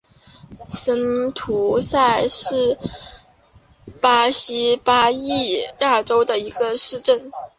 森图塞是巴西巴伊亚州的一个市镇。